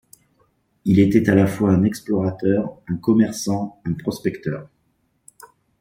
Il était à la fois un explorateur, un commerçant, un prospecteur.